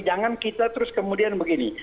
jangan kita terus kemudian begini